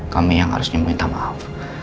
kami yang harusnya minta maaf